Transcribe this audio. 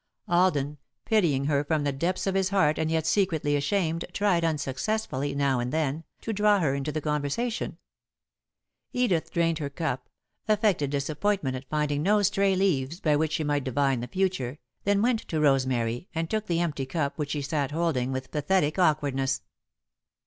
Alden, pitying her from the depths of his heart and yet secretly ashamed, tried unsuccessfully, now and then, to draw her into the conversation. Edith drained her cup, affected disappointment at finding no stray leaves by which she might divine the future, then went to Rosemary, and took the empty cup which she sat holding with pathetic awkwardness.